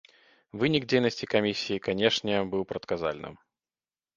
Вынік дзейнасці камісіі, канешне, быў прадказальным.